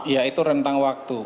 ya itu rentang waktu